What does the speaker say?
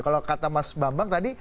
kalau kata mas bambang tadi